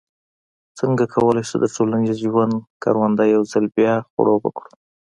څنګه کولای شو د ټولنیز ژوند کرونده یو ځل بیا خړوبه کړو.